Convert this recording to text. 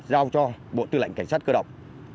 giao cho bộ tư lệnh cảnh sát cơ động